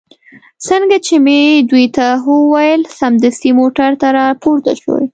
څنګه چې مې دوی ته هو وویل، سمدستي موټر ته را پورته شوې.